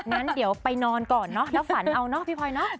งั้นเดี๋ยวไปนอนก่อนเนอะแล้วฝันเอาเนอะพี่พลอยเนอะ